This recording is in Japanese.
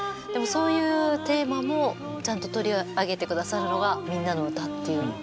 でもそういうテーマもちゃんと取り上げて下さるのが「みんなのうた」っていう。